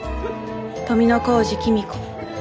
富小路公子。